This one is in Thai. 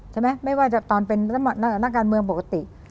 ไม่ว่าจะตอนเป็นนักการเมืองปกติ